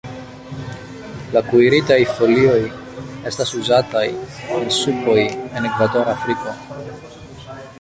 La kuiritaj folioj estas uzataj en supoj en ekvatora Afriko.